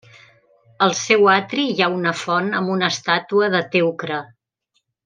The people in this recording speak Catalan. Al seu atri hi ha una font amb una estàtua de Teucre.